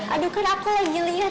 aduh kan aku lagi lihat